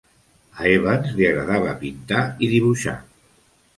A Evans li agradava pintar i dibuixar.